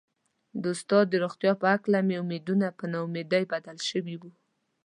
د استاد د روغتيا په هکله مې امېدونه په نا اميدي بدل شوي وو.